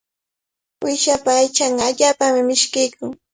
Uyshapa aychanqa allaapami mishkiykun.